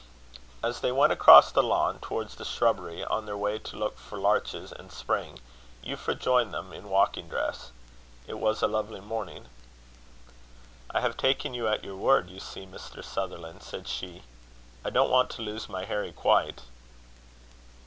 As they went across the lawn towards the shrubbery, on their way to look for larches and Spring, Euphra joined them in walking dress. It was a lovely morning. "I have taken you at your word, you see, Mr. Sutherland," said she. "I don't want to lose my Harry quite."